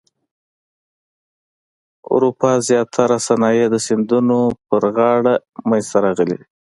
د اروپا زیاتره صنایع د سیندونو پر غاړه منځته راغلي دي.